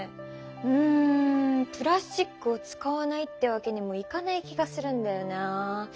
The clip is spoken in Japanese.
うんプラスチックを使わないってわけにもいかない気がするんだよな。